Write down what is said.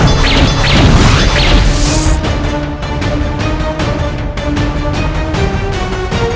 apakah dia layak aku jadikan guru